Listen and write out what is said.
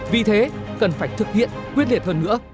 vì thế cần phải thực hiện quyết liệt hơn nữa